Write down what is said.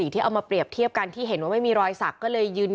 ที่เอามาเปรียบเทียบกันที่เห็นว่าไม่มีรอยสักก็เลยยืน